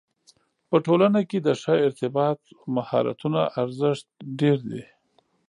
په ټولنه کې د ښه ارتباط مهارتونو ارزښت ډېر دی.